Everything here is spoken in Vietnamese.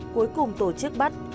cuối cùng tổ chức bắt